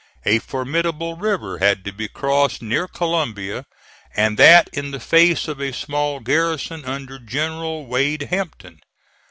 A formidable river had to be crossed near Columbia, and that in the face of a small garrison under General Wade Hampton.